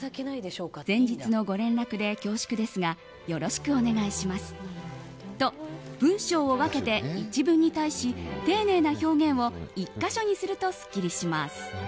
前日のご連絡で恐縮ですがよろしくお願いしますと文章を分けて１文に対し丁寧な表現を１か所にするとすっきりします。